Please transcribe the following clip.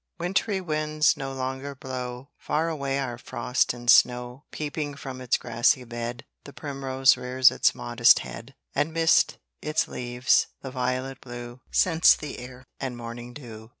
Wintry winds no longer blow, Far away are frost and snow; Peeping from its grassy bed, The primrose rears its modest head; And midst its leaves the violet blue, Scents the air and morning dew.